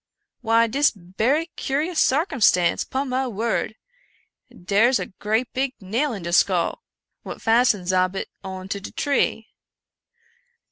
Why dis berry curious sarcumstance, pon my word — dare's a great big nail in de skull, what fastens ob it on to de tree."